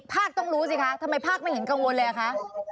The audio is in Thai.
ต้องรู้สิคะทำไมภาคไม่เห็นกังวลเลยอ่ะคะ